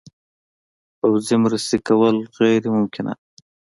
پوځي مرستې کول غیر ممکنه ده.